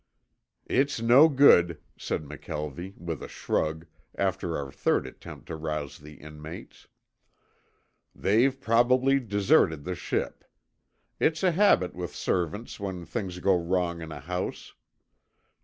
"It's no good," said McKelvie, with a shrug, after our third attempt to rouse the inmates. "They've probably deserted the ship. It's a habit with servants when things go wrong in a house.